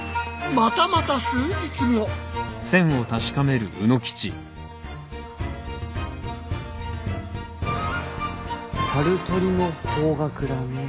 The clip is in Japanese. またまた数日後申酉の方角だねえ。